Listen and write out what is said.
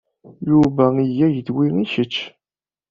Yuba iga-ak-d wi i kečč.